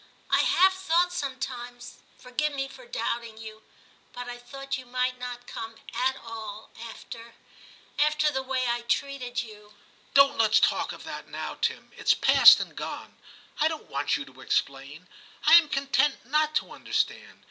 I half thought sometimes — forgive me for doubting you — but I thought you might not come at all — after — after the way I treated you.' ' Don't let's talk of that now, Tim ; it's past and gone. I don't want you to explain ; I am content not to understand.